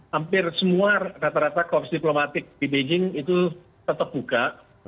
hampir semua rata rata korupsi diplomatik di beijing itu tetap buka